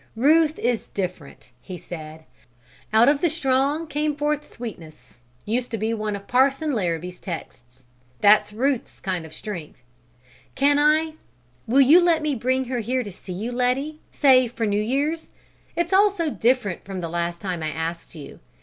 "Ruth is different," he said. "'Out of the strong came forth sweetness' used to be one of Parson Larrabee's texts. That's Ruth's kind of strength. Can I will you let me bring her here to see you, Letty, say for New Year's? It's all so different from the last time I asked you.